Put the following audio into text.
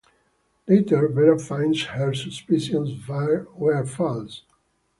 Later Vera finds her suspicions were false.